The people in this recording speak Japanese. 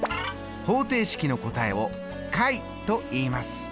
方程式の答えを解といいます。